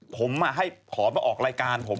ผมให้ขอมาออกรายการผม